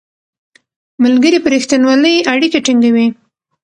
ملګري په رښتینولۍ اړیکې ټینګوي